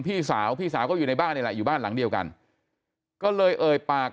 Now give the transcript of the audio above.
พี่สาวพี่สาวก็อยู่ในบ้านนี่แหละอยู่บ้านหลังเดียวกันก็เลยเอ่ยปาก